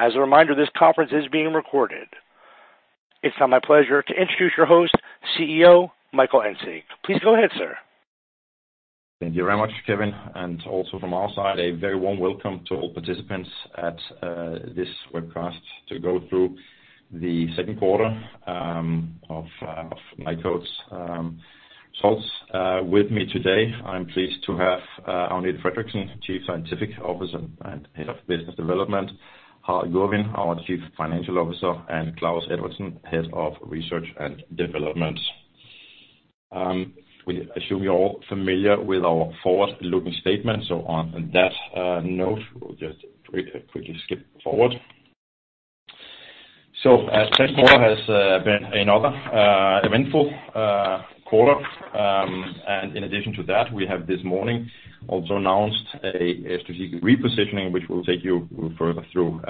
As a reminder, this conference is being recorded. It's now my pleasure to introduce your host, CEO, Michael Engsig. Please go ahead, sir. Thank you very much, Kevin, and also from our side, a very warm welcome to all participants at this webcast to go through the second quarter of Nykode's results. With me today, I'm pleased to have Agnete Fredriksen, Chief Scientific Officer and Head of Business Development, Harald Gurvin, our Chief Financial Officer, and Klaus Edvardsen, Head of Research and Development. We assume you're all familiar with our forward-looking statement, so on that note, we'll just quickly skip forward. This quarter has been another eventful quarter, and in addition to that, we have this morning also announced a strategic repositioning, which we'll take you further through.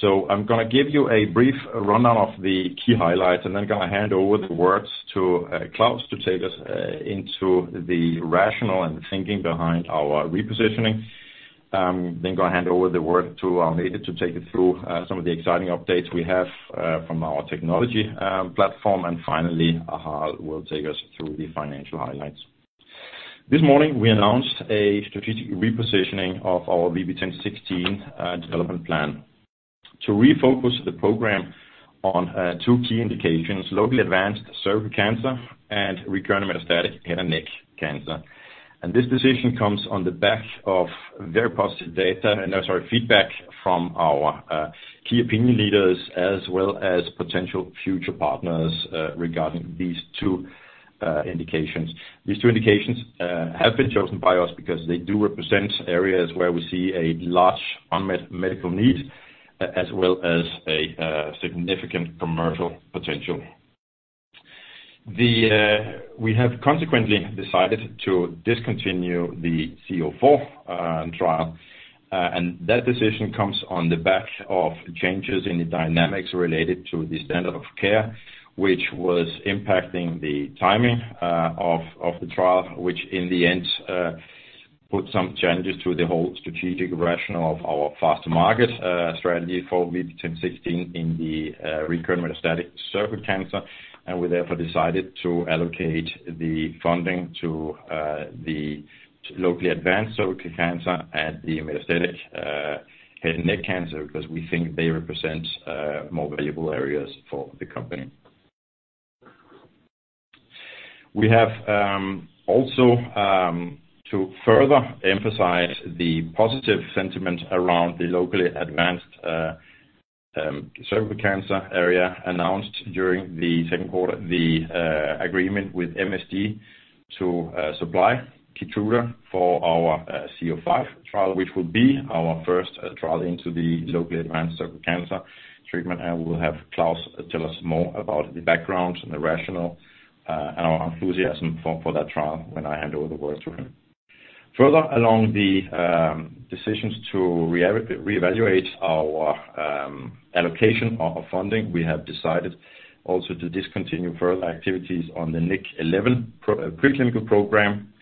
So I'm gonna give you a brief rundown of the key highlights, and then gonna hand over the words to Klaus to take us into the rationale and thinking behind our repositioning. Then gonna hand over the word to Agnete to take you through some of the exciting updates we have from our technology platform. And finally, Harald will take us through the financial highlights. This morning, we announced a strategic repositioning of our VB10.16 development plan to refocus the program on two key indications: locally advanced cervical cancer and recurrent metastatic head and neck cancer. And this decision comes on the back of very positive data and sorry, feedback from our key opinion leaders as well as potential future partners regarding these two indications. These two indications have been chosen by us because they do represent areas where we see a large unmet medical need, as well as a significant commercial potential. We have consequently decided to discontinue the VB-C-04 trial, and that decision comes on the back of changes in the dynamics related to the standard of care, which was impacting the timing of the trial, which in the end put some challenges to the whole strategic rationale of our faster market strategy for VB10.16 in the recurrent metastatic cervical cancer. We therefore decided to allocate the funding to the locally advanced cervical cancer and the metastatic head and neck cancer, because we think they represent more valuable areas for the company. We have also, to further emphasize the positive sentiment around the locally advanced cervical cancer area, announced during the second quarter the agreement with MSD to supply Keytruda for our VB-C-05 trial, which will be our first trial into the locally advanced cervical cancer treatment, and we'll have Klaus tell us more about the background and the rationale and our enthusiasm for that trial when I hand over the words to him. Further along the decisions to reevaluate our allocation of funding, we have decided also to discontinue further activities on the inverse preclinical program,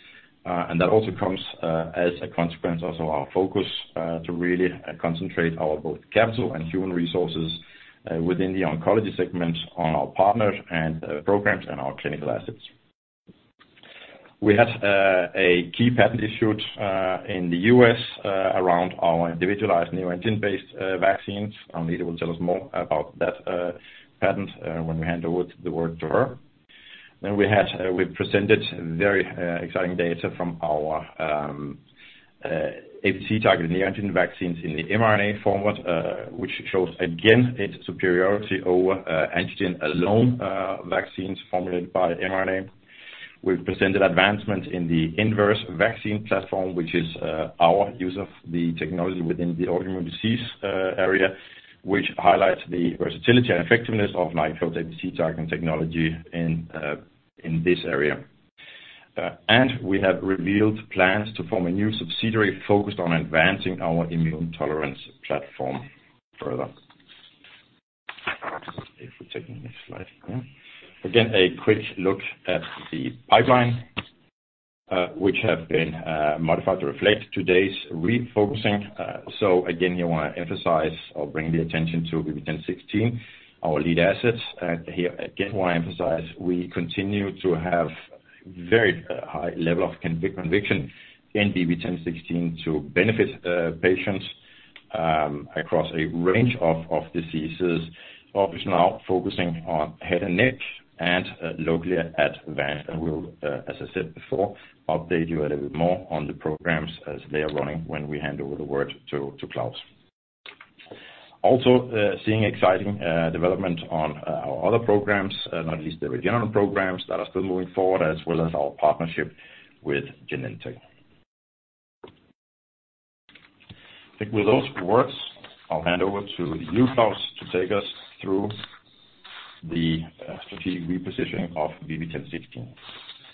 and that also comes as a consequence also our focus to really concentrate our both capital and human resources within the oncology segment on our partners and programs and our clinical assets. We had a key patent issued in the U.S. around our individualized neoantigen-based vaccines. Agnete will tell us more about that patent when we hand over the word to her. Then we presented very exciting data from our APC target neoantigen vaccines in the mRNA format, which shows again its superiority over antigen-alone vaccines formulated by mRNA. We've presented advancements in the inverse vaccine platform, which is our use of the technology within the autoimmune disease area, which highlights the versatility and effectiveness of Nykode's APC targeting technology in this area. And we have revealed plans to form a new subsidiary focused on advancing our immune tolerance platform further. If we take the next slide. Again, a quick look at the pipeline, which have been modified to reflect today's refocusing. So again, we want to emphasize or bring the attention to VB10.16, our lead assets. And here, again, we want to emphasize, we continue to have very high level of conviction in VB10.16 to benefit patients across a range of diseases. Obviously, now focusing on head and neck and locally advanced. And we'll, as I said before, update you a little bit more on the programs as they are running when we hand over the word to Klaus. Also, seeing exciting development on our other programs, not least the regional programs that are still moving forward, as well as our partnership with Genentech. I think with those words, I'll hand over to you, Klaus, to take us through the strategic repositioning of VB10.16.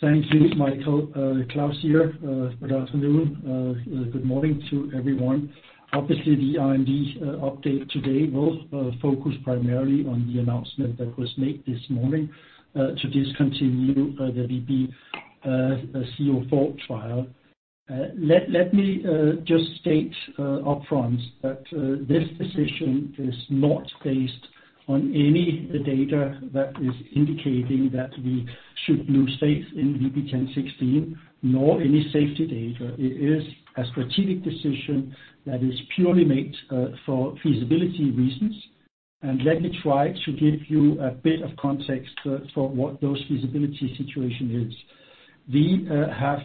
Thank you, Michael. Klaus here. Good afternoon, good morning to everyone. Obviously, the R&D update today will focus primarily on the announcement that was made this morning to discontinue the VB-C-04 trial. Let me just state upfront that this decision is not based on any data that is indicating that we should lose faith in VB10.16, nor any safety data. It is a strategic decision that is purely made for feasibility reasons. Let me try to give you a bit of context for what those feasibility situation is. We have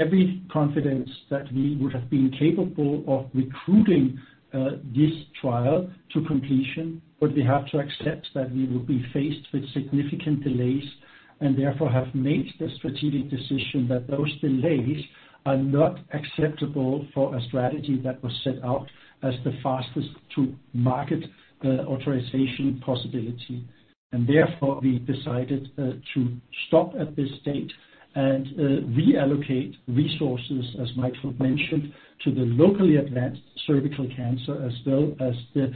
every confidence that we would have been capable of recruiting this trial to completion, but we have to accept that we would be faced with significant delays, and therefore have made the strategic decision that those delays are not acceptable for a strategy that was set out as the fastest to market authorization possibility, and therefore we decided to stop at this stage and reallocate resources, as Michael mentioned, to the locally advanced cervical cancer, as well as the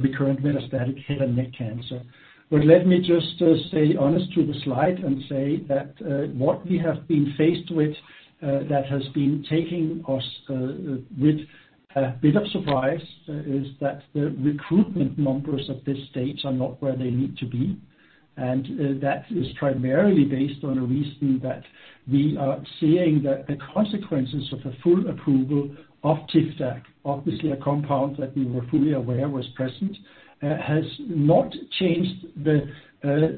recurrent metastatic head and neck cancer. But let me just stay honest to the slide and say that what we have been faced with, that has been taking us with a bit of surprise, is that the recruitment numbers at this stage are not where they need to be. That is primarily based on a reason that we are seeing that the consequences of a full approval of Tivdak, obviously a compound that we were fully aware was present, has not changed the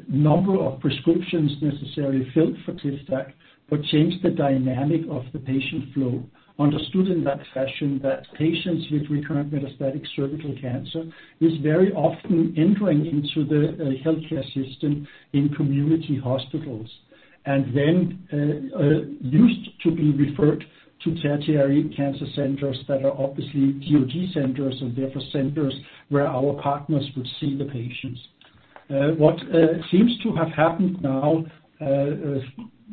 number of prescriptions necessarily filled for Tivdak, but changed the dynamic of the patient flow. Understood in that fashion, that patients with recurrent metastatic cervical cancer is very often entering into the healthcare system in community hospitals, and then used to be referred to tertiary cancer centers that are obviously GOG centers, and therefore centers where our partners would see the patients. What seems to have happened now,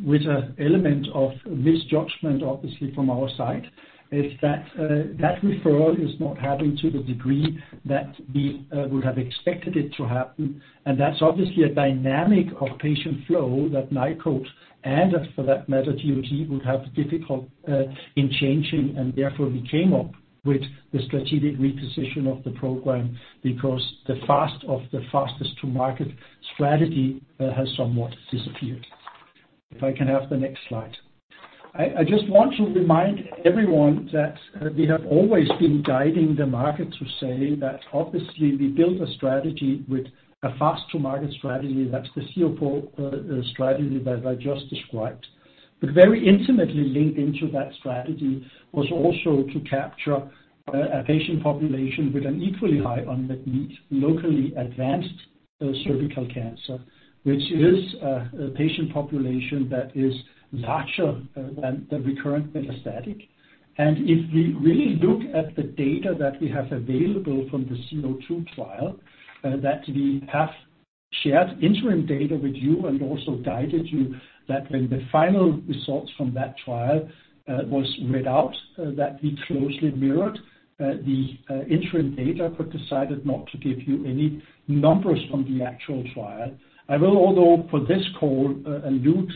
with an element of misjudgment, obviously, from our side, is that that referral is not happening to the degree that we would have expected it to happen. And that's obviously a dynamic of patient flow that Nykode and for that matter, GOG, would have difficulty in changing, and therefore we came up with the strategic reposition of the program because the fastest to market strategy has somewhat disappeared. If I can have the next slide. I just want to remind everyone that we have always been guiding the market to say that obviously we built a strategy with a fast-to-market strategy, that's the C-04 strategy that I just described. But very intimately linked into that strategy was also to capture a patient population with an equally high unmet need, locally advanced cervical cancer, which is a patient population that is larger than the recurrent metastatic. If we really look at the data that we have available from the C-02 trial, that we have shared interim data with you and also guided you, that when the final results from that trial was read out, that we closely mirrored the interim data, but decided not to give you any numbers on the actual trial. I will, although, for this call, allude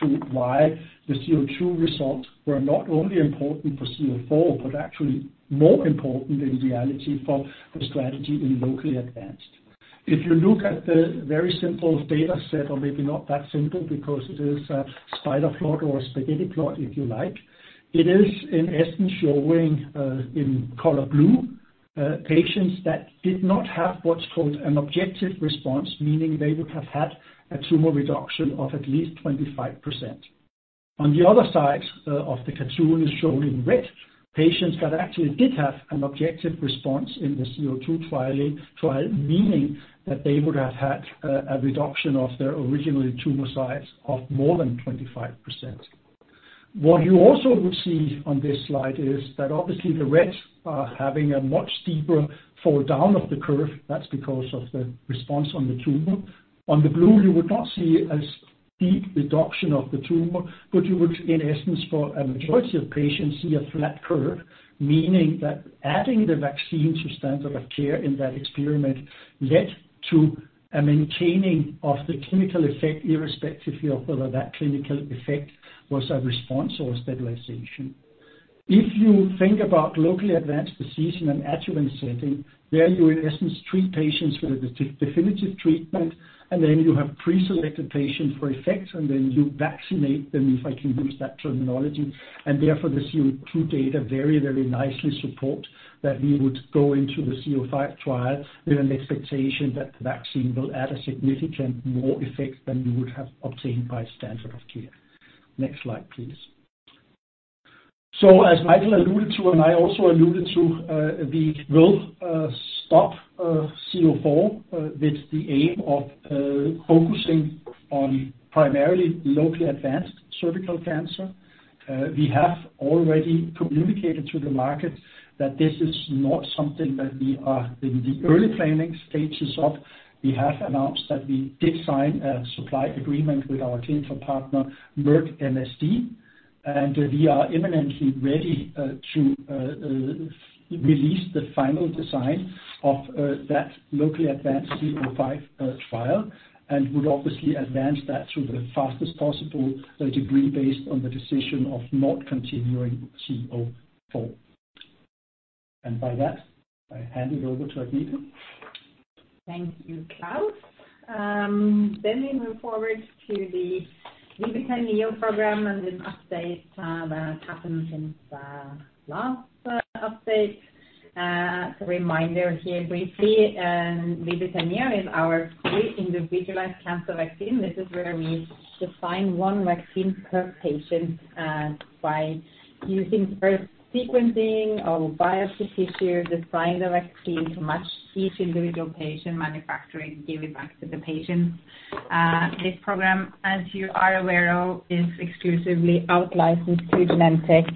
to why the C-02 results were not only important for C-04, but actually more important in reality for the strategy in locally advanced. If you look at the very simple data set, or maybe not that simple, because it is a spider plot or a spaghetti plot, if you like, it is in essence showing, in color blue, patients that did not have what's called an objective response, meaning they would have had a tumor reduction of at least 25%. On the other side of the cartoon is shown in red, patients that actually did have an objective response in the C-02 trial, meaning that they would have had a reduction of their original tumor size of more than 25%. What you also would see on this slide is that obviously the reds are having a much steeper fall down of the curve. That's because of the response on the tumor. On the blue, you would not see as steep reduction of the tumor, but you would, in essence, for a majority of patients, see a flat curve, meaning that adding the vaccine to standard of care in that experiment led to a maintaining of the clinical effect, irrespective of whether that clinical effect was a response or a stabilization. If you think about locally advanced disease in an adjuvant setting, where you in essence treat patients with a definitive treatment, and then you have preselected patients for effects, and then you vaccinate them, if I can use that terminology, and therefore, the C-02 data very, very nicely support that we would go into the C-05 trial with an expectation that the vaccine will add a significant more effect than we would have obtained by standard of care. Next slide, please. So as Michael alluded to, and I also alluded to, we will stop C-04 with the aim of focusing on primarily locally advanced cervical cancer. We have already communicated to the market that this is not something that we are in the early planning stages of. We have announced that we did sign a supply agreement with our clinical partner with MSD, and we are imminently ready to release the final design of that locally advanced C-05 trial, and would obviously advance that to the fastest possible degree based on the decision of not continuing C-04.... And by that, I hand it over to Agnete. Thank you, Klaus. Then we move forward to the VB10-NEO program and an update that happened since the last update. As a reminder here briefly, and VB10-NEO is our truly individualized cancer vaccine. This is where we design one vaccine per patient by using first sequencing of biopsy tissue, design the vaccine to match each individual patient, manufacturing, give it back to the patient. This program, as you are aware of, is exclusively out-licensed to Genentech.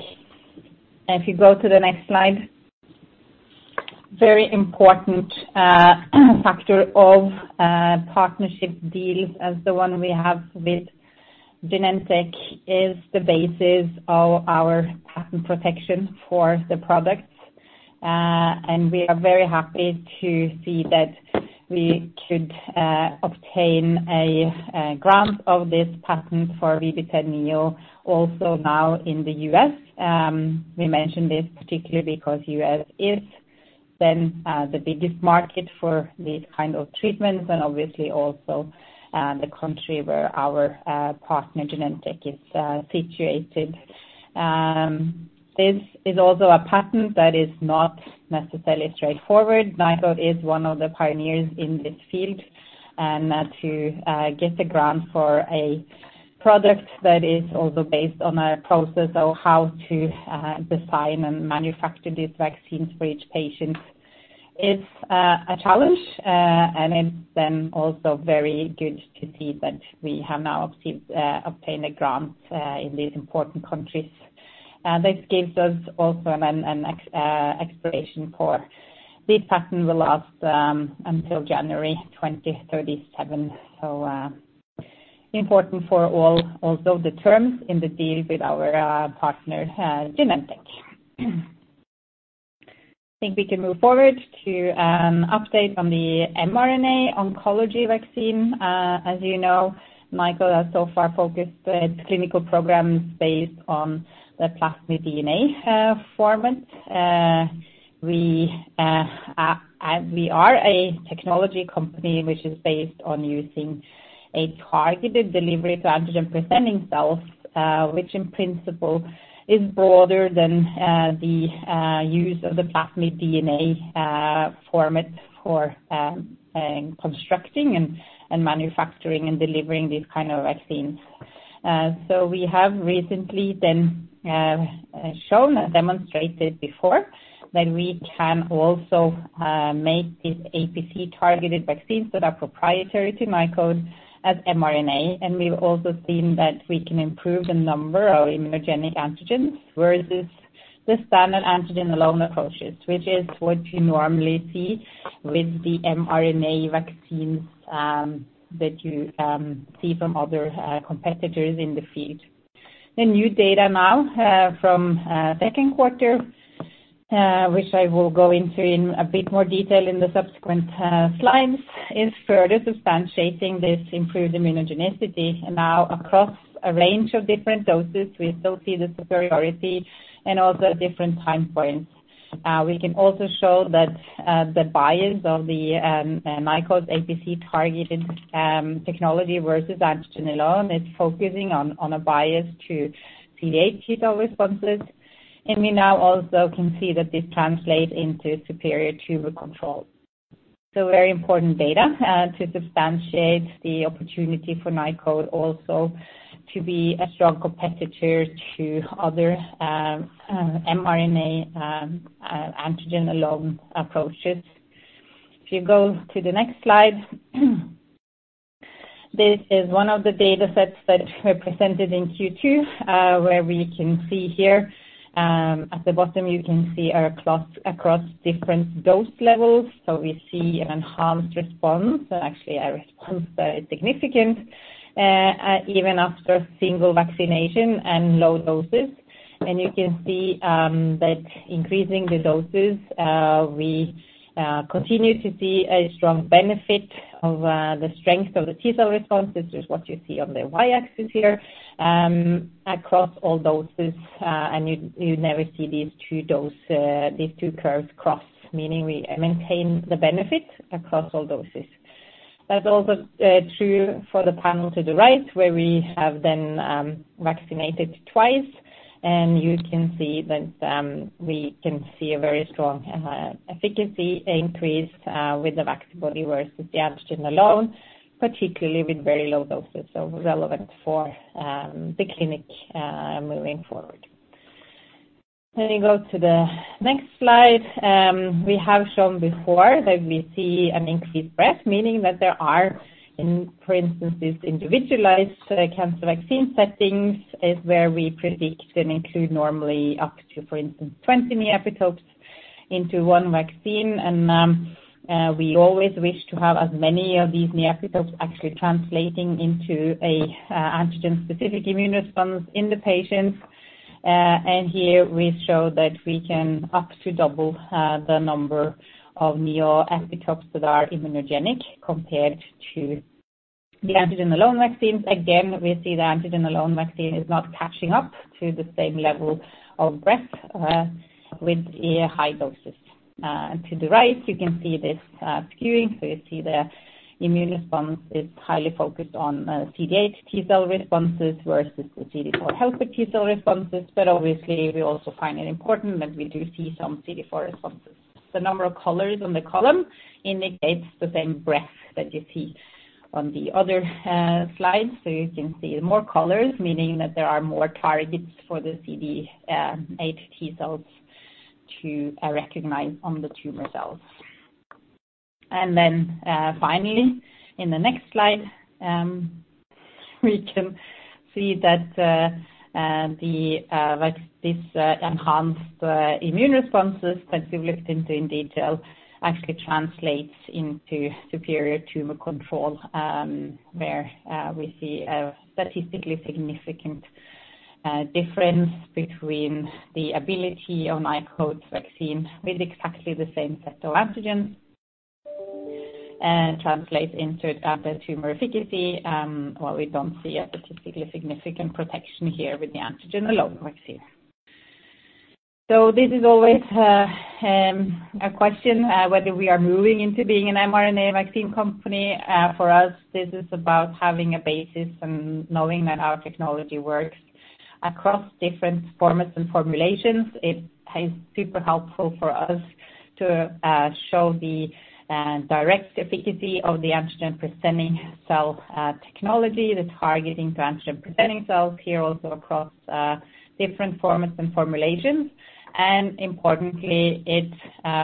If you go to the next slide. Very important factor of partnership deals as the one we have with Genentech is the basis of our patent protection for the products, and we are very happy to see that we could obtain a grant of this patent for VB10-NEO also now in the U.S.. We mentioned this particularly because U.S. is then the biggest market for these kind of treatments and obviously also the country where our partner, Genentech, is situated. This is also a patent that is not necessarily straightforward. Nykode is one of the pioneers in this field, and to get the grant for a product that is also based on a process of how to design and manufacture these vaccines for each patient. It's a challenge, and it's then also very good to see that we have now obtained a grant in these important countries. This gives us also an extension. This patent will last until January 2037. Important for all, also the terms in the deal with our partner Genentech. I think we can move forward to an update on the mRNA oncology vaccine. As you know, Nykode has so far focused its clinical programs based on the plasmid DNA format. We are a technology company which is based on using a targeted delivery to antigen-presenting cells, which in principle is broader than the use of the plasmid DNA format for constructing and manufacturing and delivering these kind of vaccines. So we have recently then shown and demonstrated before that we can also make these APC targeted vaccines that are proprietary to Nykode as mRNA, and we've also seen that we can improve the number of immunogenic antigens, whereas this, the standard antigen alone approaches, which is what you normally see with the mRNA vaccines, that you see from other competitors in the field. The new data now from second quarter, which I will go into in a bit more detail in the subsequent slides, is further substantiating this improved immunogenicity. Now, across a range of different doses, we still see the superiority and also different time points. We can also show that the bias of the Nykode's APC targeted technology versus antigen alone, it's focusing on a bias to CD8 T cell responses. We now also can see that this translate into superior tumor control. Very important data to substantiate the opportunity for Nykode also to be a strong competitor to other mRNA antigen-alone approaches. If you go to the next slide. This is one of the data sets that were presented in Q2 where we can see here at the bottom, you can see across different dose levels. So we see an enhanced response, and actually a response that is significant even after single vaccination and low doses. You can see that increasing the doses we continue to see a strong benefit of the strength of the T cell response. This is what you see on the Y-axis here, across all doses, and you never see these two curves cross, meaning we maintain the benefit across all doses. That's also true for the panel to the right, where we have then vaccinated twice, and you can see that we can see a very strong efficacy increase with the vaccine body versus the antigen alone, particularly with very low doses, so relevant for the clinic moving forward. Then you go to the next slide. We have shown before that we see an increased breadth, meaning that there are in, for instance, these individualized cancer vaccine settings, is where we predict and include normally up to, for instance, 20 neoepitopes into one vaccine. We always wish to have as many of these neoepitopes actually translating into a antigen-specific immune response in the patients. Here we show that we can up to double the number of neoepitopes that are immunogenic compared to the antigen-alone vaccines. Again, we see the antigen-alone vaccine is not catching up to the same level of breadth with a high dosage. To the right, you can see this skewing. So you see the immune response is highly focused on CD8 T cell responses versus the CD4 helper T cell responses. But obviously, we also find it important that we do see some CD4 responses. The number of colors on the column indicates the same breadth that you see on the other slide. So you can see more colors, meaning that there are more targets for the CD8 T cells to recognize on the tumor cells. And then finally, in the next slide, we can see that the like this enhanced immune responses that we've looked into in detail actually translates into superior tumor control, where we see a statistically significant difference between the ability of Nykode's vaccine with exactly the same set of antigens translates into the tumor efficacy. While we don't see a statistically significant protection here with the antigen-alone vaccine. So this is always a question whether we are moving into being an mRNA vaccine company. For us, this is about having a basis and knowing that our technology works across different formats and formulations. It is super helpful for us to show the direct efficacy of the antigen-presenting cell technology, the targeting to antigen-presenting cells here, also across different formats and formulations, and importantly, it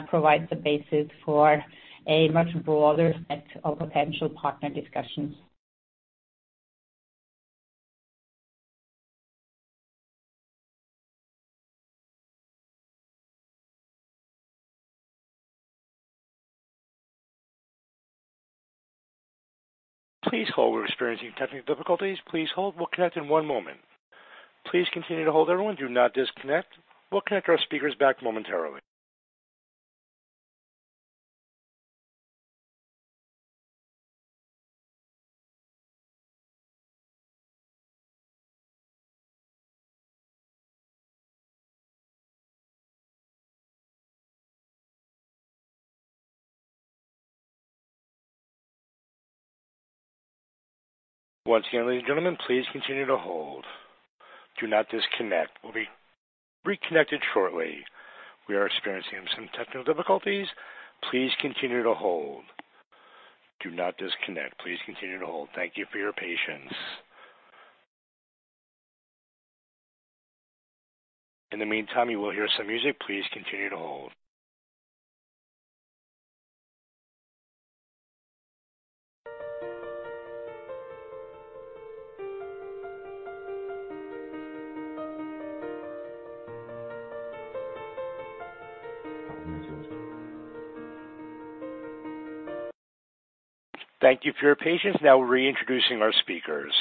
provides the basis for a much broader set of potential partner discussions. Please hold. We're experiencing technical difficulties. Please hold. We'll connect in one moment. Please continue to hold, everyone. Do not disconnect. We'll connect our speakers back momentarily. Once again, ladies and gentlemen, please continue to hold. Do not disconnect. We'll be reconnected shortly. We are experiencing some technical difficulties. Please continue to hold. Do not disconnect. Please continue to hold. Thank you for your patience. In the meantime, you will hear some music. Please continue to hold. Thank you for your patience. Now reintroducing our speakers.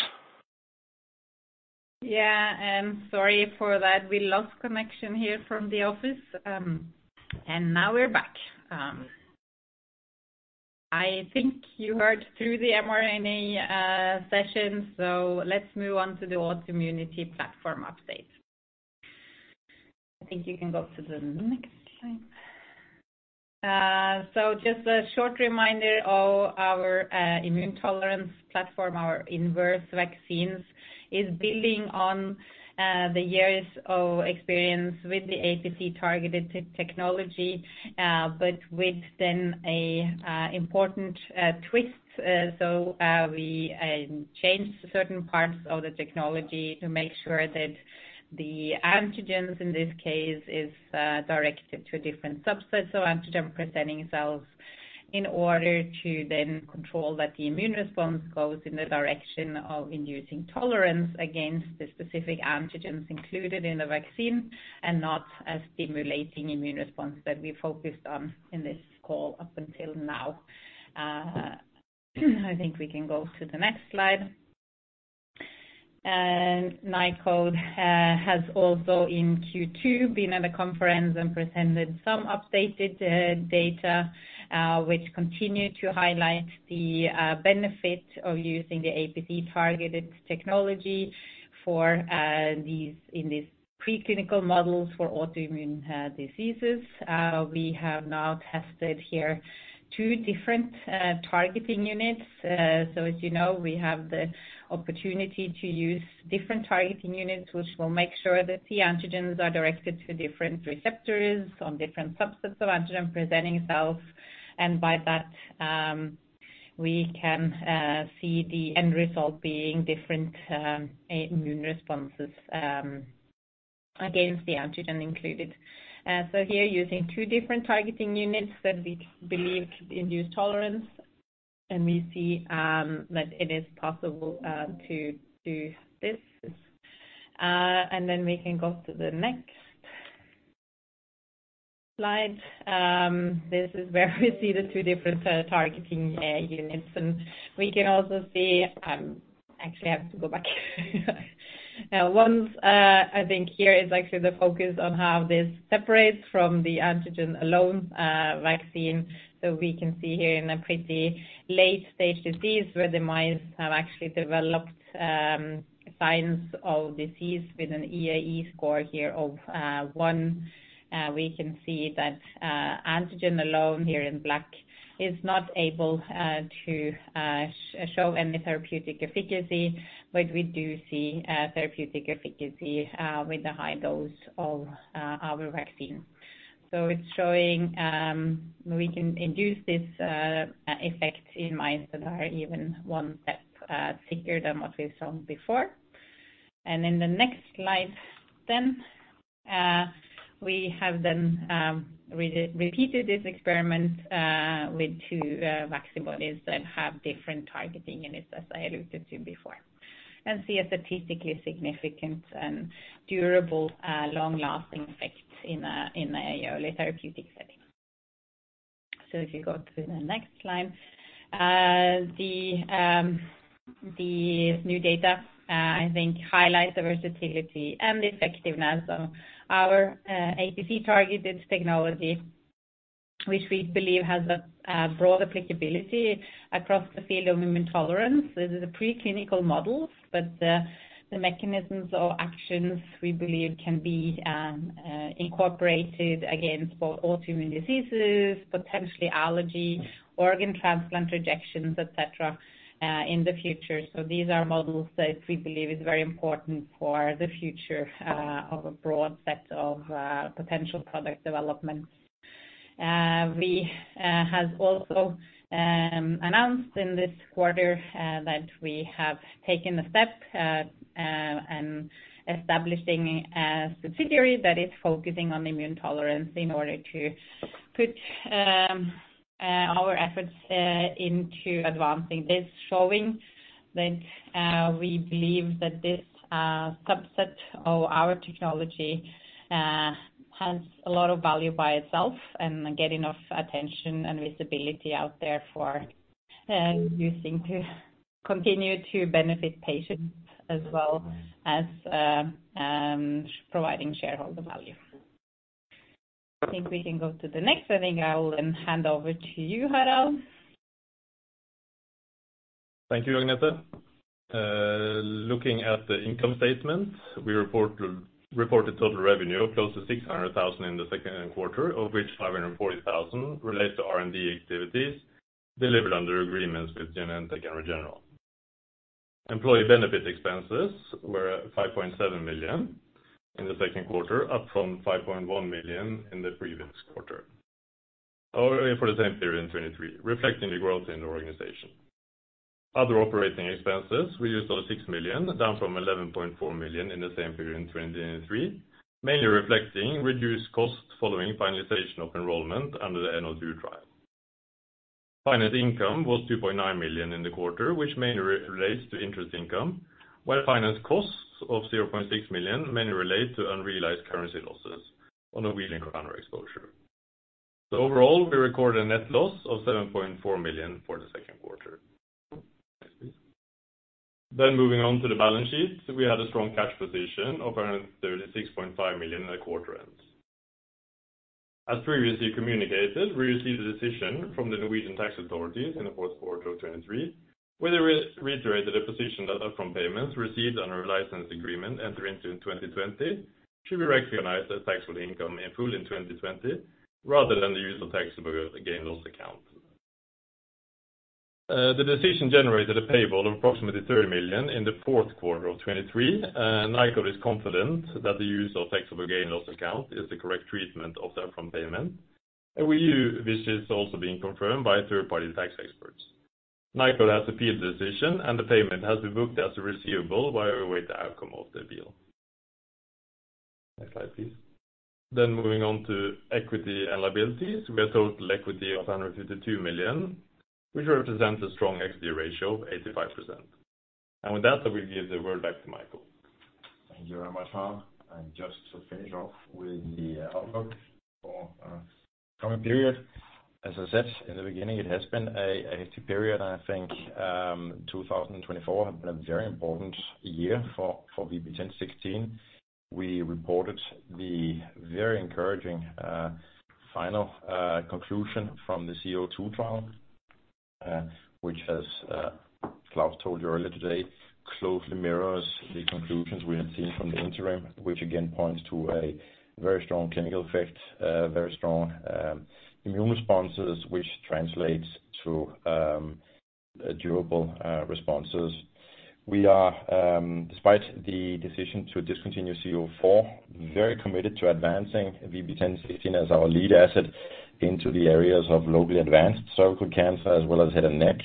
Yeah, sorry for that. We lost connection here from the office, and now we're back. I think you heard through the mRNA session, so let's move on to the autoimmunity platform update. I think you can go to the next slide. So just a short reminder of our immune tolerance platform, our inverse vaccines, is building on the years of experience with the APC-targeted technology, but with then a important twist. So, we changed certain parts of the technology to make sure that the antigens, in this case, is directed to a different subset of antigen-presenting cells, in order to then control that the immune response goes in the direction of inducing tolerance against the specific antigens included in the vaccine, and not a stimulating immune response that we focused on in this call up until now. I think we can go to the next slide, and Nykode has also, in Q2, been at a conference and presented some updated data which continue to highlight the benefit of using the APC-targeted technology for these, in these preclinical models for autoimmune diseases. We have now tested here two different targeting units. So as you know, we have the opportunity to use different targeting units, which will make sure that the antigens are directed to different receptors on different subsets of antigen-presenting cells. And by that, we can see the end result being different immune responses against the antigen included. So here, using two different targeting units that we believe induce tolerance, and we see that it is possible to do this. And then we can go to the next slide. This is where we see the two different targeting units. And we can also see. Actually, I have to go back. Now, one, I think here is actually the focus on how this separates from the antigen alone vaccine. So we can see here in a pretty late stage disease, where the mice have actually developed signs of disease with an EAE score here of one. We can see that antigen alone, here in black, is not able to show any therapeutic efficacy. But we do see therapeutic efficacy with a high dose of our vaccine. So it's showing we can induce this effect in mice that are even one step sicker than what we've shown before. And in the next slide then we have repeated this experiment with two vaccine bodies that have different targeting units, as I alluded to before. And see a statistically significant and durable long-lasting effects in an early therapeutic setting. So if you go to the next slide. The new data, I think, highlights the versatility and the effectiveness of our APC-targeted technology, which we believe has a broad applicability across the field of immune tolerance. This is a preclinical models, but the mechanisms or actions we believe can be incorporated against both autoimmune diseases, potentially allergy, organ transplant rejections, et cetera, in the future. So these are models that we believe is very important for the future of a broad set of potential product developments. We have also announced in this quarter that we have taken a step and establishing a subsidiary that is focusing on immune tolerance in order to put our efforts into advancing this, showing that we believe that this subset of our technology has a lot of value by itself and get enough attention and visibility out there for using to continue to benefit patients as well as providing shareholder value. I think we can go to the next, and I think I will then hand over to you, Harald. Thank you, Agnete. Looking at the income statement, we reported total revenue of close to $600,000 in the second quarter, of which $540,000 relates to R&D activities delivered under agreements with Genentech and Regeneron. Employee benefit expenses were at $5.7 million in the second quarter, up from $5.1 million in the previous quarter or for the same period in 2023, reflecting the growth in the organization. Other operating expenses were just over $6 million, down from $11.4 million in the same period in 2023, mainly reflecting reduced costs following finalization of enrollment under the VB-C-02 trial. Finance income was $2.9 million in the quarter, which mainly relates to interest income, while finance costs of $0.6 million mainly relate to unrealized currency losses on a foreign currency exposure. Overall, we recorded a net loss of $7.4 million for the second quarter. Next, please. Then moving on to the balance sheet, we had a strong cash position of around $36.5 million at quarter end. As previously communicated, we received a decision from the Norwegian tax authorities in the fourth quarter of 2023, where they reiterated a position that upfront payments received under a license agreement entering into 2020 should be recognized as taxable income in full in 2020, rather than the usual taxable gain loss account. The decision generated a payable of approximately $30 million in the fourth quarter of 2023. Nykode is confident that the use of taxable gain loss account is the correct treatment of the upfront payment, and we, which is also being confirmed by third-party tax experts. Nykode has appealed the decision, and the payment has been booked as a receivable while we await the outcome of the appeal. Next slide, please. Then moving on to equity and liabilities. We have total equity of 152 million, which represents a strong equity ratio of 85%. And with that, I will give the word back to Michael. Thank you very much, Harald. And just to finish off with the outlook for the coming period. As I said in the beginning, it has been a hectic period, I think. 2024 has been a very important year for VB10.16. We reported the very encouraging final conclusion from the C-02 trial, which as Klaus told you earlier today, closely mirrors the conclusions we have seen from the interim. Which again points to a very strong clinical effect, very strong immune responses, which translates to durable responses. We are despite the decision to discontinue C-04, very committed to advancing VB10.16 as our lead asset into the areas of locally advanced cervical cancer, as well as head and neck.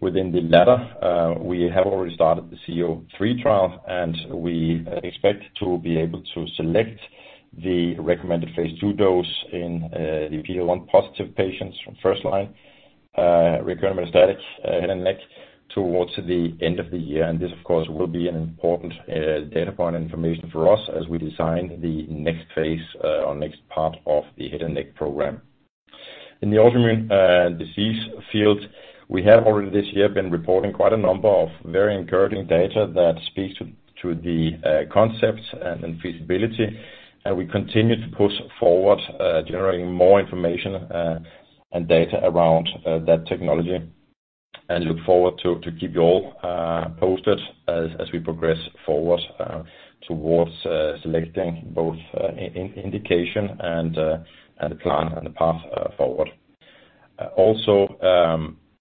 Within the latter, we have already started the C-03 trial, and we expect to be able to select the recommended phase two dose in the PD-L1 positive patients from first line recurrent or metastatic head and neck towards the end of the year. And this, of course, will be an important data point information for us as we design the next phase or next part of the head and neck program. In the autoimmune disease field, we have already this year been reporting quite a number of very encouraging data that speaks to the concepts and feasibility. We continue to push forward, generating more information, and data around that technology, and look forward to keep you all posted as we progress forward towards selecting both in-indication and the plan and the path forward. Also,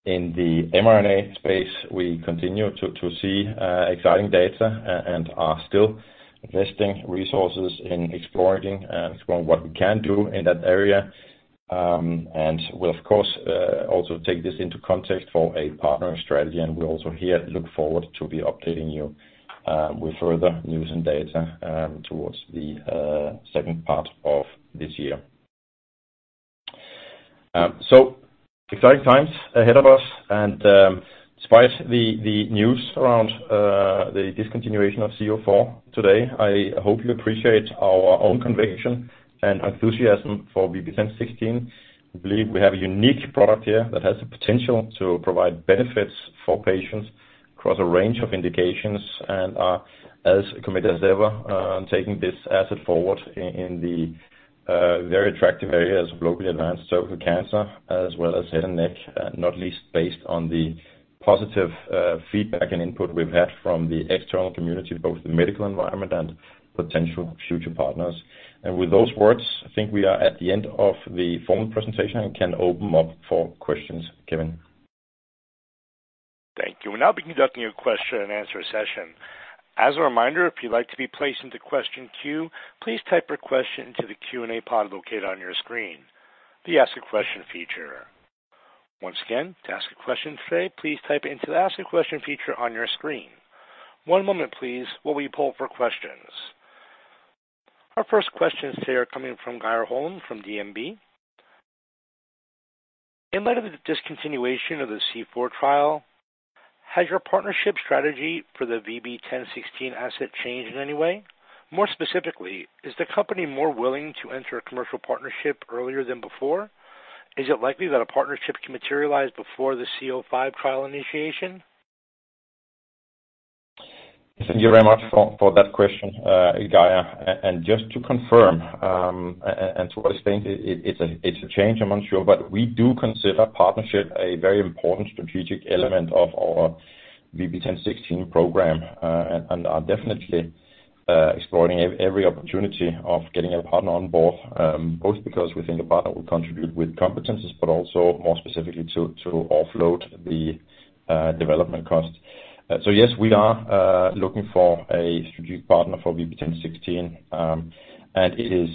in the mRNA space, we continue to see exciting data and are still investing resources in exploring what we can do in that area. We'll of course also take this into context for a partner strategy. We also here look forward to be updating you with further news and data towards the second part of this year. Exciting times ahead of us. And, despite the news around the discontinuation of C-04 today, I hope you appreciate our own conviction and enthusiasm for VB10.16. We believe we have a unique product here that has the potential to provide benefits for patients across a range of indications, and are as committed as ever, on taking this asset forward in the very attractive areas of locally advanced cervical cancer, as well as head and neck. Not least based on the positive feedback and input we've had from the external community, both the medical environment and potential future partners. And with those words, I think we are at the end of the formal presentation and can open up for questions, Kevin. Thank you. We'll now be conducting a question-and-answer session. As a reminder, if you'd like to be placed into question queue, please type your question into the Q&A pod located on your screen, the Ask a Question feature. Once again, to ask a question today, please type into the Ask a Question feature on your screen. One moment please, while we poll for questions. Our first question today are coming from Geir Hiller Holom, from DNB. In light of the discontinuation of the C-04 trial, has your partnership strategy for the VB10.16 asset changed in any way? More specifically, is the company more willing to enter a commercial partnership earlier than before? Is it likely that a partnership can materialize before the C-05 trial initiation? Thank you very much for that question, Geir. And just to confirm, and to explain, it's a change. I'm not sure, but we do consider partnership a very important strategic element of our VB10.16 program. And are definitely exploring every opportunity of getting a partner on board. Both because we think a partner will contribute with competencies, but also more specifically, to offload the development costs. So yes, we are looking for a strategic partner for VB10.16. And it is,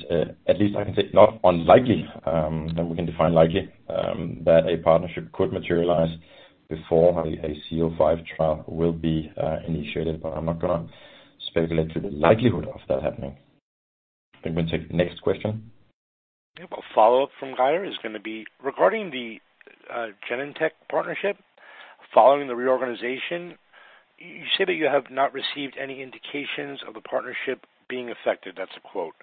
at least I can say, not unlikely, then we can define likely, that a partnership could materialize before a C-05 trial will be initiated. But I'm not gonna speculate to the likelihood of that happening. I think we'll take the next question. Yeah. A follow-up from Geir is gonna be: Regarding the Genentech partnership, following the reorganization, you say that you have not received any indications of a partnership being affected, that's a quote.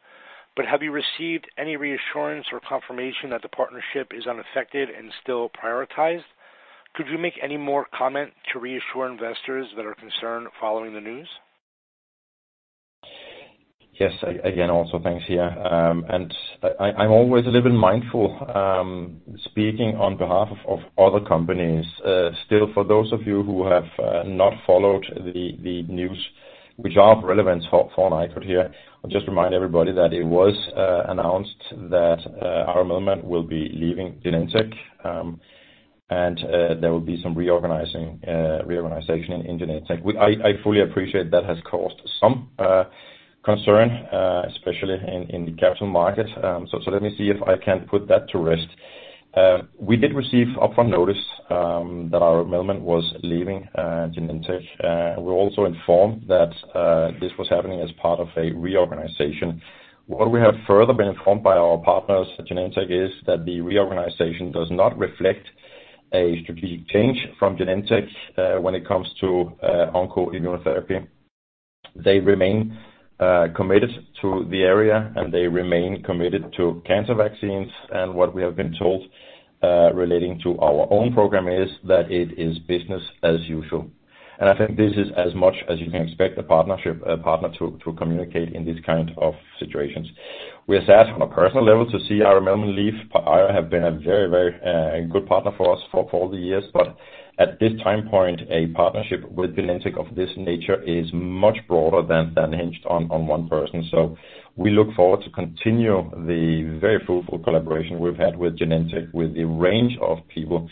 But have you received any reassurance or confirmation that the partnership is unaffected and still prioritized? Could you make any more comment to reassure investors that are concerned following the news? Yes. Again, also, thanks, Geir. And I'm always a little bit mindful, speaking on behalf of other companies. Still, for those of you who have not followed the news, which are of relevance for Nykode here, I'll just remind everybody that it was announced that Ira Mellman will be leaving Genentech, and there will be some reorganizing, reorganization in Genentech. I fully appreciate that has caused some concern, especially in the capital markets. So, let me see if I can put that to rest. We did receive upfront notice that our Ira Mellman was leaving Genentech. We're also informed that this was happening as part of a reorganization. What we have further been informed by our partners at Genentech is that the reorganization does not reflect a strategic change from Genentech when it comes to onco immunotherapy. They remain committed to the area, and they remain committed to cancer vaccines. And what we have been told relating to our own program is that it is business as usual. And I think this is as much as you can expect a partnership, a partner to communicate in these kind of situations. We are sad on a personal level to see our Mellman leave. Ira have been a very, very good partner for us for all the years. But at this time point, a partnership with Genentech of this nature is much broader than hinged on one person. So we look forward to continue the very fruitful collaboration we've had with Genentech, with the range of people,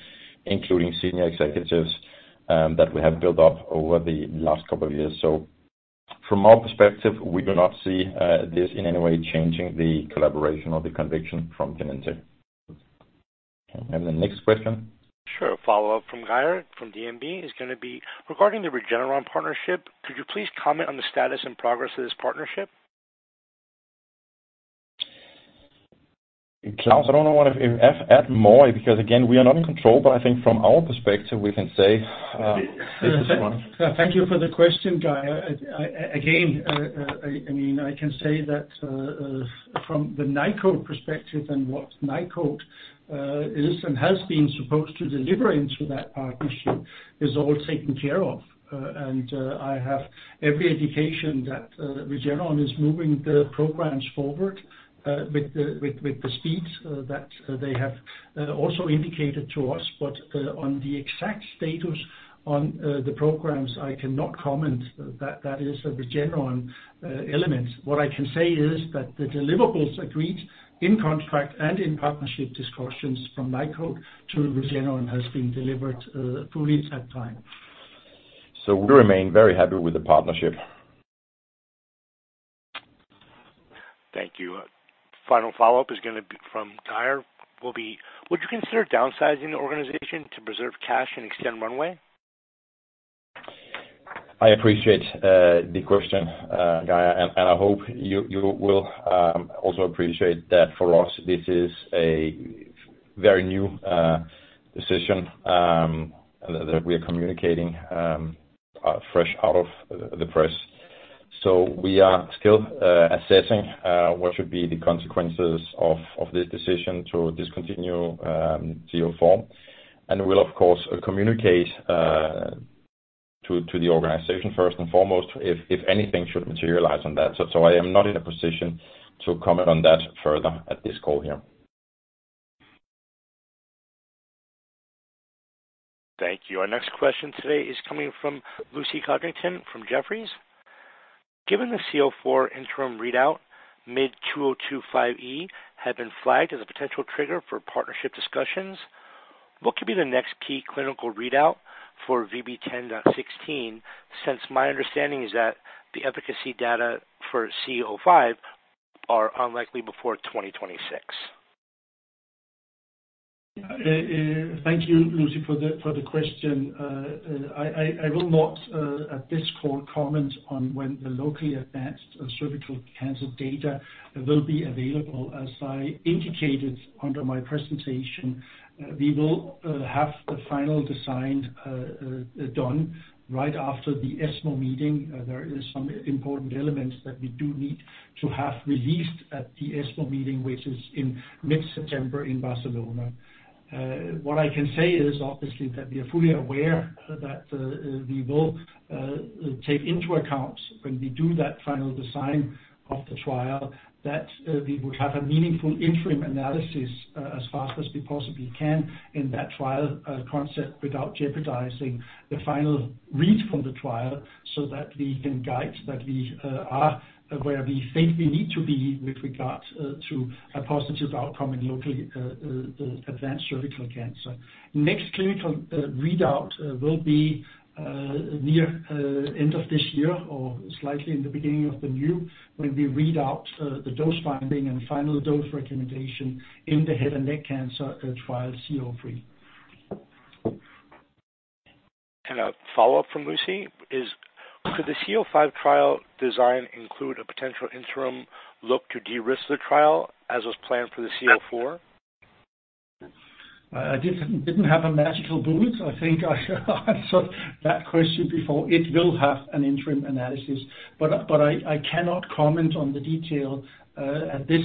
including senior executives, that we have built up over the last couple of years. So from our perspective, we do not see this in any way changing the collaboration or the conviction from Genentech. And the next question? Sure. A follow-up from Geir, from DNB, is gonna be: Regarding the Regeneron partnership, could you please comment on the status and progress of this partnership?... Klaus, I don't know what if add more, because again, we are not in control, but I think from our perspective, we can say. Thank you for the question, guy. I again, I mean, I can say that from the Nykode perspective and what Nykode is and has been supposed to deliver into that partnership is all taken care of. I have every indication that Regeneron is moving the programs forward with the speeds that they have also indicated to us. On the exact status on the programs, I cannot comment. That is a Regeneron element. What I can say is that the deliverables agreed in contract and in partnership discussions from Nykode to Regeneron has been delivered fully on time. So we remain very happy with the partnership. Thank you. Final follow-up is gonna be from [Geir], will be: Would you consider downsizing the organization to preserve cash and extend runway? I appreciate the question, Gaia, and I hope you will also appreciate that for us, this is a very new decision that we are communicating fresh out of the press. So we are still assessing what should be the consequences of this decision to discontinue C-04. And we'll of course communicate to the organization first and foremost, if anything should materialize on that. So I am not in a position to comment on that further at this call here. Thank you. Our next question today is coming from Lucy Codrington from Jefferies. Given the C-04 interim readout, mid-2025 E, had been flagged as a potential trigger for partnership discussions, what could be the next key clinical readout for VB10.16, since my understanding is that the efficacy data for C-05 are unlikely before 2026? Thank you, Lucy, for the question. I will not, at this call, comment on when the locally advanced cervical cancer data will be available. As I indicated under my presentation, we will have the final design done right after the ESMO meeting. There is some important elements that we do need to have released at the ESMO meeting, which is in mid-September in Barcelona. What I can say is, obviously, that we are fully aware that we will take into account when we do that final design of the trial, that we would have a meaningful interim analysis as fast as we possibly can in that trial concept, without jeopardizing the final read from the trial, so that we can guide that we are where we think we need to be with regard to a positive outcome in locally advanced cervical cancer. Next clinical readout will be near end of this year or slightly in the beginning of the new, when we read out the dose finding and final dose recommendation in the head and neck cancer trial, C-03. A follow-up from Lucy is: Could the C-05 trial design include a potential interim look to de-risk the trial as was planned for the C-04? I didn't have a magical bullet. I think I answered that question before. It will have an interim analysis, but I cannot comment on the detail at this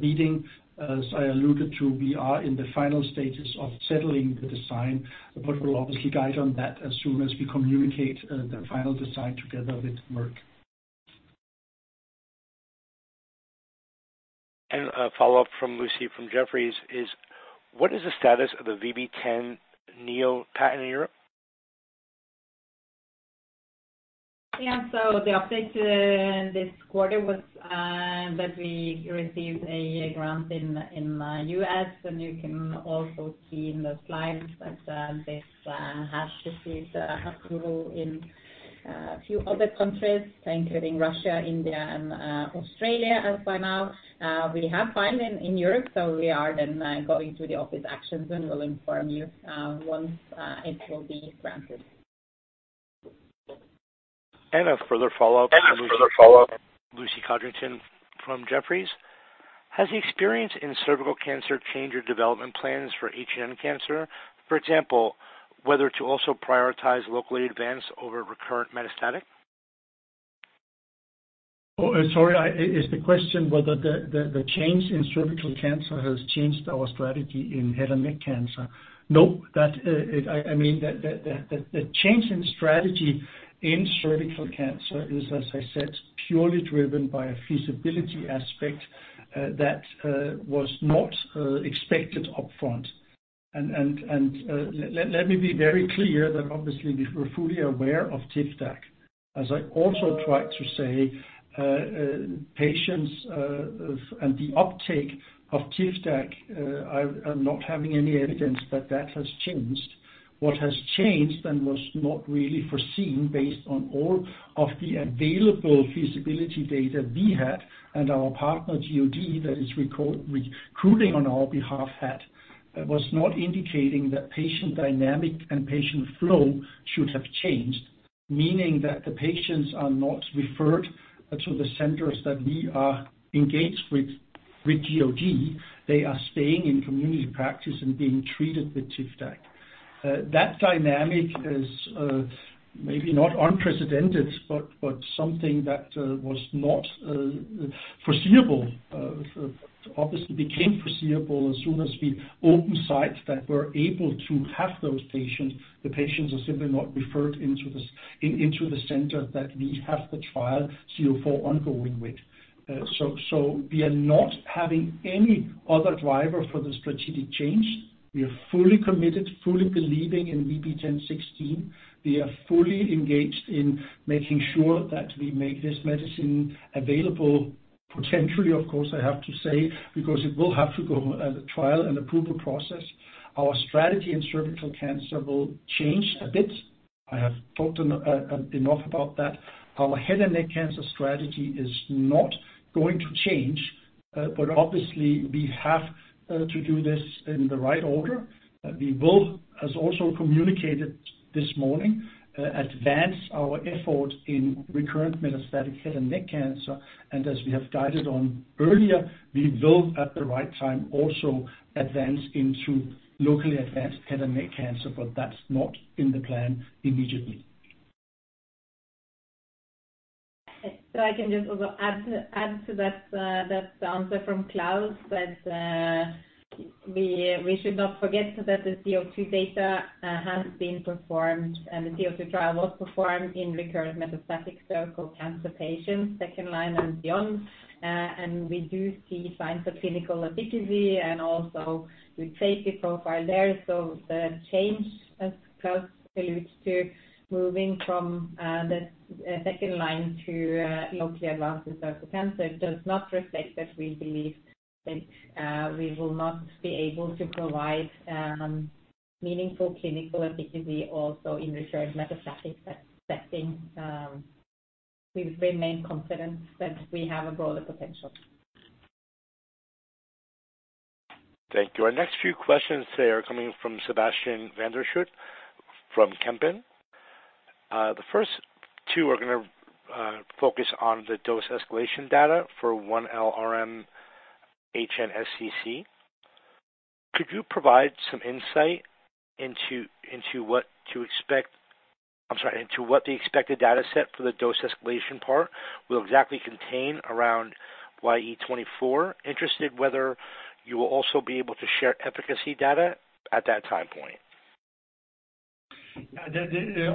meeting. As I alluded to, we are in the final stages of settling the design, but we'll obviously guide on that as soon as we communicate the final design together with Merck. A follow-up from Lucy from Jefferies is: What is the status of the VB10-NEO patent in Europe? Yeah, so the update this quarter was that we received a grant in U.S., and you can also see in the slides that this has received approval in a few other countries, including Russia, India, and Australia as of now. We have filed in Europe, so we are then going through the office actions, and we'll inform you once it will be granted. And a further follow-up, Lucy Codrington from Jefferies: Has the experience in cervical cancer changed your development plans for HN cancer? For example, whether to also prioritize locally advanced over recurrent metastatic. Oh, sorry, is the question whether the change in cervical cancer has changed our strategy in head and neck cancer? Nope. That, it, I mean, the change in strategy in cervical cancer is, as I said, purely driven by a feasibility aspect that was not expected upfront. And let me be very clear that obviously we're fully aware of Tivdak. As I also tried to say, patients and the uptake of Tivdak, I, I'm not having any evidence that that has changed. What has changed and was not really foreseen based on all of the available feasibility data we had and our partner, GOG, that is recruiting on our behalf had was not indicating that patient dynamic and patient flow should have changed. meaning that the patients are not referred to the centers that we are engaged with, with GOG. They are staying in community practice and being treated with Tivdak. That dynamic is, maybe not unprecedented, but something that was not foreseeable. Obviously became foreseeable as soon as we opened sites that were able to have those patients. The patients are simply not referred into this, into the center that we have the trial C-04 ongoing with. So we are not having any other driver for the strategic change. We are fully committed, fully believing in VB10.16. We are fully engaged in making sure that we make this medicine available, potentially, of course, I have to say, because it will have to go as a trial and approval process. Our strategy in cervical cancer will change a bit. I have talked enough about that. Our head and neck cancer strategy is not going to change, but obviously we have to do this in the right order. We will, as also communicated this morning, advance our effort in recurrent metastatic head and neck cancer, and as we have guided on earlier, we will, at the right time, also advance into locally advanced head and neck cancer, but that's not in the plan immediately. So I can just also add to that answer from Klaus, that we should not forget that the C-02 data has been performed and the C-02 trial was performed in recurrent metastatic cervical cancer patients, second line and beyond. And we do see signs of clinical activity and also the safety profile there. So the change, as Klaus alludes to, moving from the second line to locally advanced cervical cancer, does not reflect that we believe that we will not be able to provide meaningful clinical activity also in recurrent metastatic setting. We remain confident that we have a broader potential. Thank you. Our next few questions today are coming from Sebastian van der Schoot from Kempen. The first two are gonna focus on the dose escalation data for 1L RM HNSCC. Could you provide some insight into what the expected data set for the dose escalation part will exactly contain around YE24? Interested whether you will also be able to share efficacy data at that time point.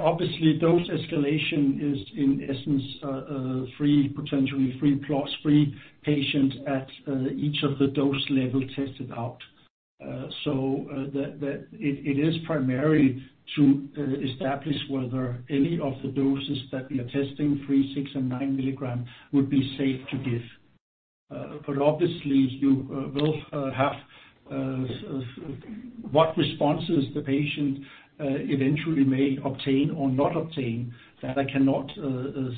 Obviously, dose escalation is, in essence, three, potentially three plus three patients at each of the dose level tested out, so it is primarily to establish whether any of the doses that we are testing, three, six, and nine milligram, would be safe to give, but obviously, you will have what responses the patient eventually may obtain or not obtain, that I cannot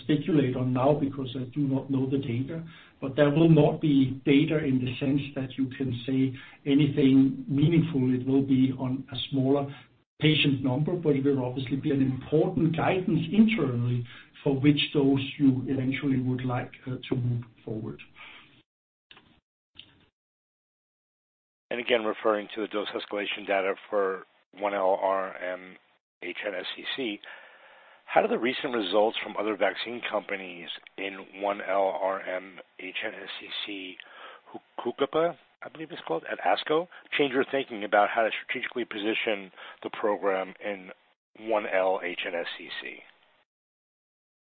speculate on now because I do not know the data but there will not be data in the sense that you can say anything meaningful. It will be on a smaller patient number, but it will obviously be an important guidance internally for which those you eventually would like to move forward. Again, referring to the dose escalation data for 1L RM HNSCC, how do the recent results from other vaccine companies in 1L RM HNSCC, Cue Biopharma, I believe it's called, at ASCO, change your thinking about how to strategically position the program in 1L HNSCC?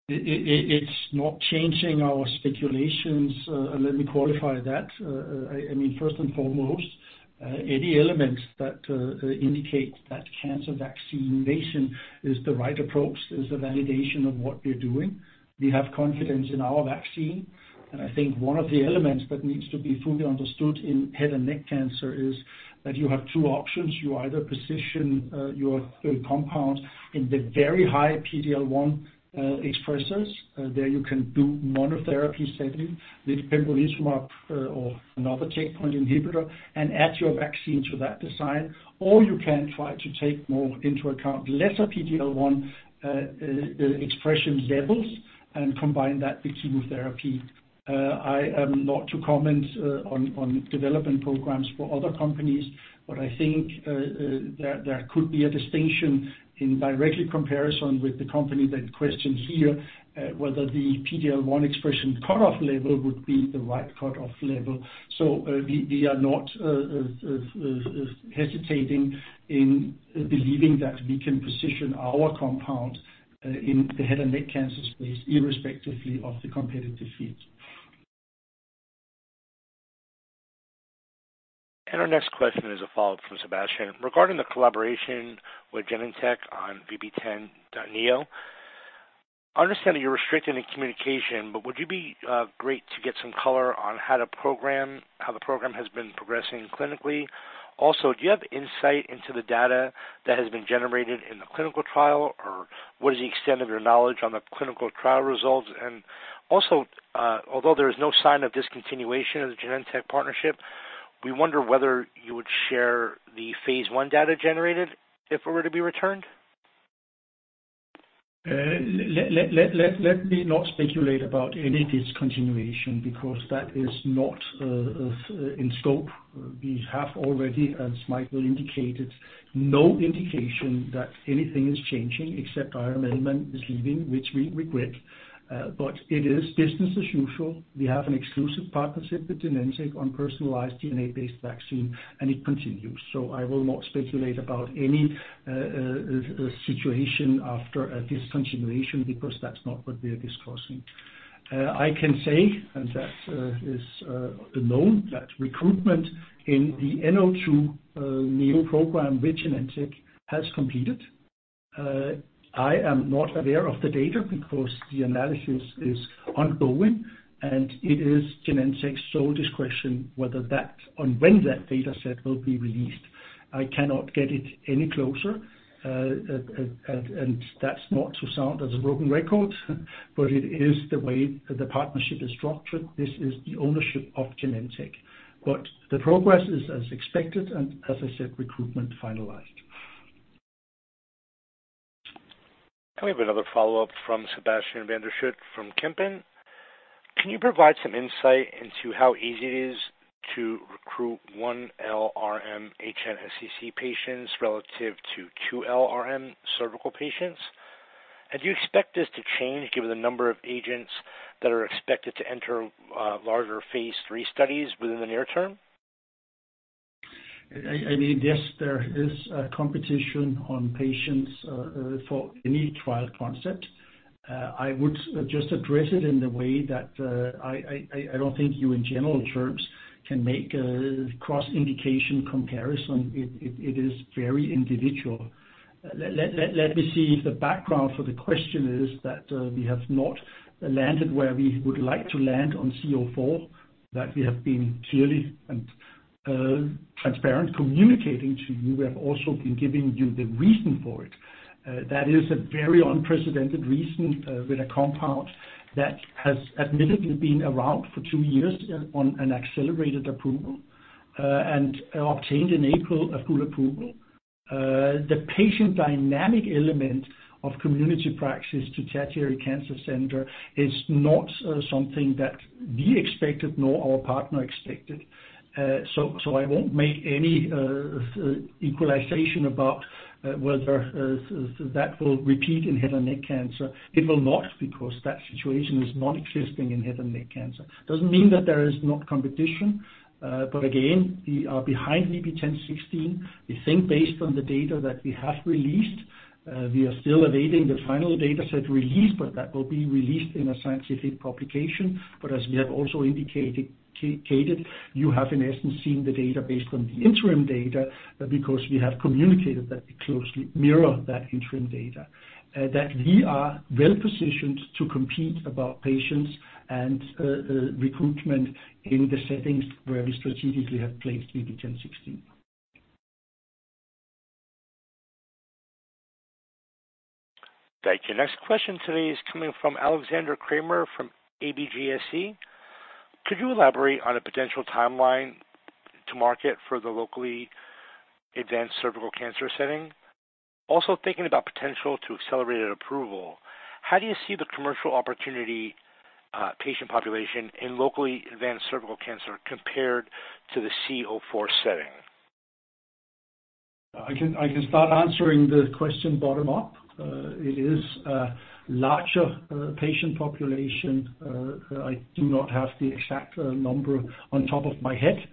It's not changing our speculations, and let me qualify that. I mean, first and foremost, any elements that indicate that cancer vaccination is the right approach is a validation of what we're doing. We have confidence in our vaccine, and I think one of the elements that needs to be fully understood in head and neck cancer is that you have two options. You either position your compound in the very high PD-L1 expressors. There you can do monotherapy setting with Pembrolizumab or another checkpoint inhibitor and add your vaccine to that design, or you can try to take more into account lesser PD-L1 expression levels and combine that with chemotherapy. I am not to comment on development programs for other companies, but I think there could be a distinction in direct comparison with the company that questioned here, whether the PD-L1 expression cut-off level would be the right cut-off level. So, we are not hesitating in believing that we can position our compound in the head and neck cancer space, irrespectively of the competitive field. Our next question is a follow-up from Sebastian. Regarding the collaboration with Genentech on VB10-NEO, I understand that you're restricted in communication, but it would be great to get some color on how the program has been progressing clinically. Also, do you have insight into the data that has been generated in the clinical trial, or what is the extent of your knowledge on the clinical trial results? Although there is no sign of discontinuation of the Genentech partnership, we wonder whether you would share the phase 1 data generated if it were to be returned? Let me not speculate about any discontinuation, because that is not in scope. We have already, as Michael indicated, no indication that anything is changing except Ira Mellman is leaving, which we regret, but it is business as usual. We have an exclusive partnership with Genentech on personalized DNA-based vaccine, and it continues. So I will not speculate about any situation after a discontinuation, because that's not what we are discussing. I can say, and that is known, that recruitment in the NEO program with Genentech has completed. I am not aware of the data because the analysis is ongoing, and it is Genentech's sole discretion whether that, on when that data set will be released. I cannot get it any closer, and that's not to sound as a broken record, but it is the way the partnership is structured. This is the ownership of Genentech. But the progress is as expected, and as I said, recruitment finalized. Can we have another follow-up from Sebastian van der Schoot from Kempen & Co? Can you provide some insight into how easy it is to recruit 1L RM HNSCC patients relative to 2L RM cervical patients? And do you expect this to change given the number of agents that are expected to enter larger phase 3 studies within the near term? I mean, yes, there is a competition on patients for any trial concept. I would just address it in the way that I don't think you, in general terms, can make a cross indication comparison. It is very individual. Let me see if the background for the question is that we have not landed where we would like to land on C-04, that we have been clearly and transparent communicating to you. We have also been giving you the reason for it. That is a very unprecedented reason, with a compound that has admittedly been around for two years on an accelerated approval, and obtained in April a full approval. The patient dynamic element of community practice to tertiary cancer center is not something that we expected, nor our partner expected. So I won't make any extrapolation about that will repeat in head and neck cancer. It will not, because that situation is not existing in head and neck cancer. Doesn't mean that there is not competition, but again, we are behind VB10.16. We think based on the data that we have released, we are still awaiting the final data set release, but that will be released in a scientific publication. But as we have also indicated, you have in essence seen the data based on the interim data, because we have communicated that we closely mirror that interim data. that we are well positioned to compete about patients and recruitment in the settings where we strategically have placed VB10.16. Thank you. Next question today is coming from Alexander Kramer, from ABG Sundal Collier. Could you elaborate on a potential timeline to market for the locally advanced cervical cancer setting? Also, thinking about potential for accelerated approval, how do you see the commercial opportunity, patient population in locally advanced cervical cancer compared to the C-04 setting? I can start answering the question bottom up. It is a larger patient population. I do not have the exact number on top of my head,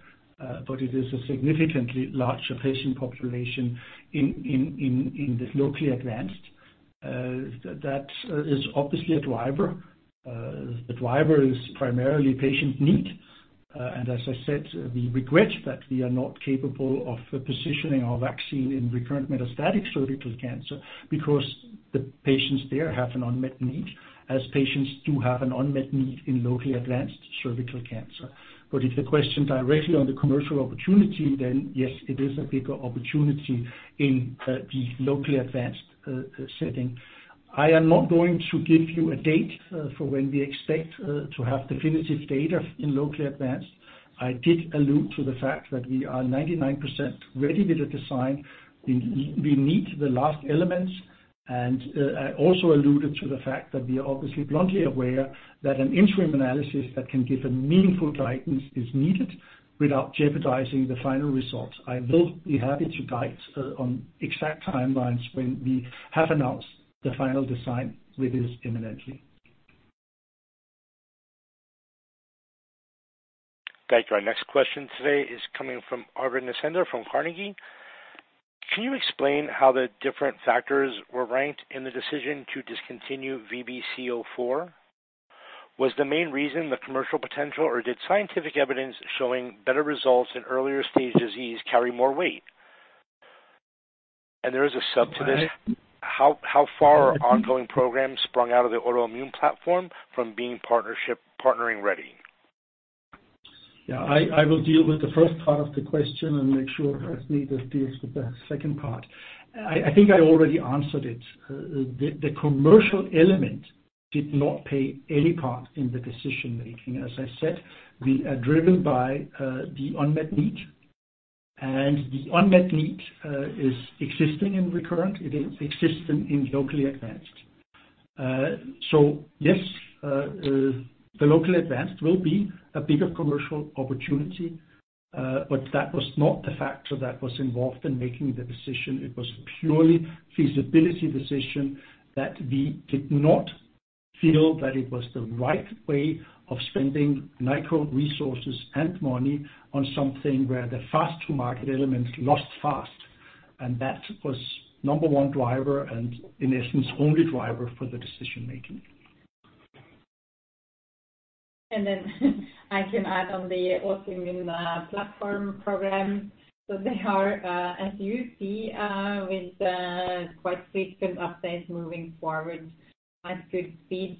but it is a significantly larger patient population in this locally advanced. That is obviously a driver. The driver is primarily patient need. And as I said, we regret that we are not capable of positioning our vaccine in recurrent metastatic cervical cancer because the patients there have an unmet need, as patients do have an unmet need in locally advanced cervical cancer. But if the question directly on the commercial opportunity, then yes, it is a bigger opportunity in the locally advanced setting. I am not going to give you a date for when we expect to have definitive data in locally advanced. I did allude to the fact that we are 99% ready with the design. We meet the last elements, and I also alluded to the fact that we are obviously bluntly aware that an interim analysis that can give a meaningful guidance is needed without jeopardizing the final results. I will be happy to guide on exact timelines when we have announced the final design, which is imminently. Thank you. Our next question today is coming from Eirik Andreassen from Carnegie. Can you explain how the different factors were ranked in the decision to discontinue VB-C-04? Was the main reason the commercial potential, or did scientific evidence showing better results in earlier stage disease carry more weight? And there is a sub to this. How far are ongoing programs sprung out of the autoimmune platform from being partnership-partnering ready? Yeah, I will deal with the first part of the question and make sure as needed deals with the second part. I think I already answered it. The commercial element did not play any part in the decision-making. As I said, we are driven by the unmet need, and the unmet need is existing in recurrent. It is existing in locally advanced. So yes, the locally advanced will be a bigger commercial opportunity, but that was not the factor that was involved in making the decision. It was purely feasibility decision that we did not feel that it was the right way of spending Nykode resources and money on something where the fast-to-market element lost fast, and that was number one driver and, in essence, only driver for the decision-making. And then I can add on the autoimmune platform program. So they are, as you see, with quite frequent updates moving forward at good speed.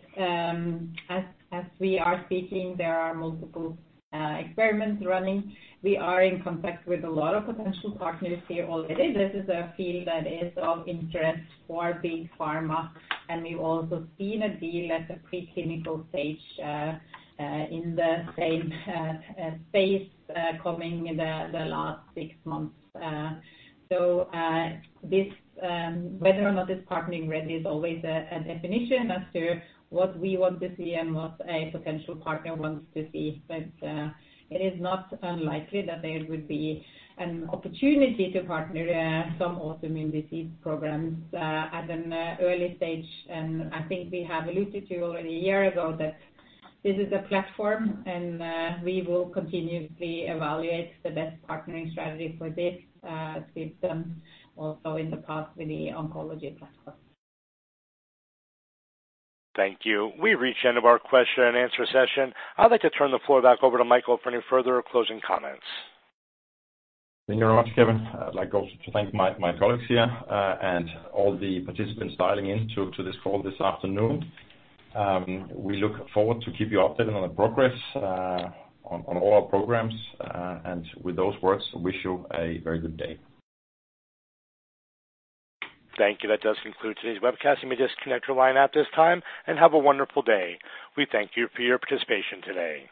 As we are speaking, there are multiple experiments running. We are in contact with a lot of potential partners here already. This is a field that is of interest for big pharma, and we've also seen a deal at the preclinical stage in the same space coming the last six months. So this whether or not this partnering ready is always a definition as to what we want to see and what a potential partner wants to see. But it is not unlikely that there would be an opportunity to partner some autoimmune disease programs at an early stage. I think we have alluded to already a year ago that this is a platform, and we will continuously evaluate the best partnering strategy for this system, also in the past with the oncology platform. Thank you. We've reached the end of our question and answer session. I'd like to turn the floor back over to Michael for any further closing comments. Thank you very much, Kevin. I'd like also to thank my colleagues here, and all the participants dialing in to this call this afternoon. We look forward to keep you updated on the progress, on all our programs. And with those words, wish you a very good day. Thank you. That does conclude today's webcast. You may disconnect your line at this time, and have a wonderful day. We thank you for your participation today.